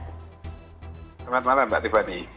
selamat malam mbak tiffany